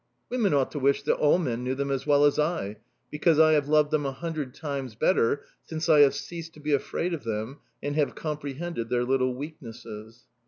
Women ought to wish that all men knew them as well as I because I have loved them a hundred times better since I have ceased to be afraid of them and have comprehended their little weaknesses.